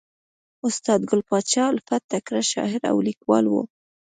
استاد ګل پاچا الفت تکړه شاعر او لیکوال ؤ.